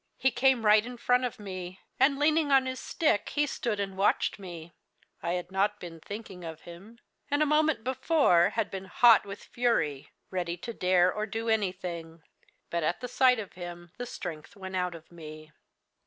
He came right in front of me, and, leaning on his stick, he stood and watched me. I had not been thinking of him, and, a moment before, had been hot with fury, ready to dare or do anything; but, at the sight of him, the strength went out of me.